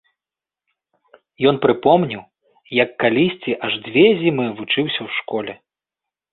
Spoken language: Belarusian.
Ён прыпомніў, як калісьці аж дзве зімы вучыўся ў школе.